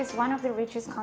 saya juga membayar uang uang